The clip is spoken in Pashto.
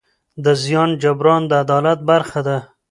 د زیان جبران د عدالت برخه ده.